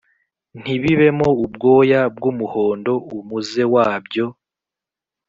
ntibibemo ubwoya bw umuhondo umuze wabyo